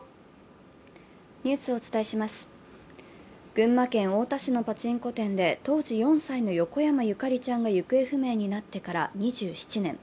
群馬県太田市のパチンコ店で、当時４歳の横山ゆかりちゃんが行方不明になってから２７年。